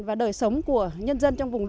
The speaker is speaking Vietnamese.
và đời sống